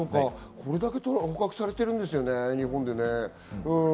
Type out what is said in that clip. それだけ捕獲されているんですね、日本で。